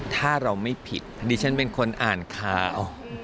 ถ้าเราไม่ผิดดิฉันเป็นคนอ่านข่าว